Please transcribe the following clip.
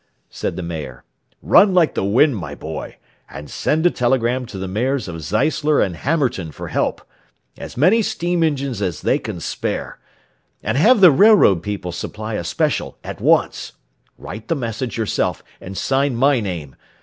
said the mayor. "Run like the wind, my boy, and send a telegram to the mayors of Zeisler and Hammerton for help. As many steam engines as they can spare. And have the railroad people supply a special at once. Write the message yourself, and sign my name.